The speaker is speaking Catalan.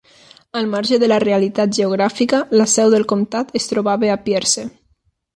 Al marge de la realitat geogràfica, la seu del comtat es trobava a Pierce.